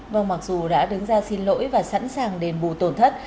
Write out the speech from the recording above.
vâng mặc dù đã đứng ra xin lỗi và sẵn sàng đền bù tổn thất